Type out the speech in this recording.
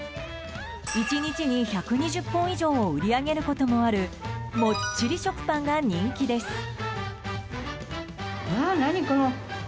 １日に１２０本以上売り上げることもあるもっちり食パンが人気です。